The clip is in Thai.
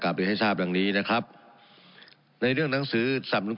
กลับเลยให้ทราบอย่างนี้นะครับในเรื่องหนังสือศัพมุลการ